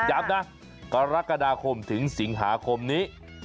ย้ำนะกรกฎาคมถึงสิงหาคมนี้